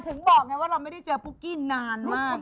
ถึงบอกไงว่าเราไม่ได้เจอปุ๊กกี้นานมาก